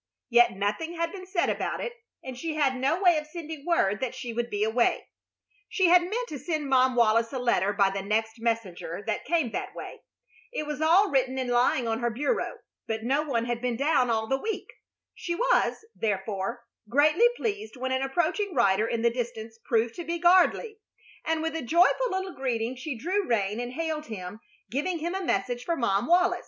Yet nothing had been said about it, and she had no way of sending word that she would be away. She had meant to send Mom Wallis a letter by the next messenger that came that way. It was all written and lying on her bureau, but no one had been down all the week. She was, therefore, greatly pleased when an approaching rider in the distance proved to be Gardley, and with a joyful little greeting she drew rein and hailed him, giving him a message for Mom Wallis.